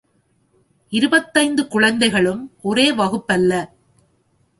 இருபத்தைந்து குழந்தைகளும் ஒரே வகுப்பல்ல.